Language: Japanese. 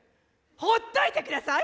ほっといて下さい！